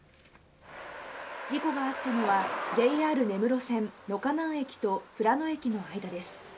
事故があったのは、ＪＲ根室線野花南駅と富良野駅の間です。